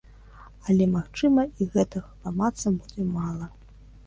Але, магчыма, і гэтага фламандцам будзе мала.